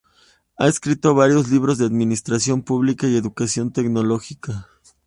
Ha escrito varios libros de administración pública y educación tecnológica.